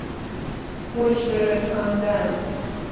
مژده رساندن